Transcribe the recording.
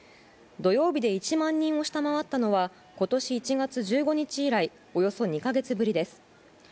土曜日で１万人を下回ったのは今年１月１５日以来およそ２か月ぶりです。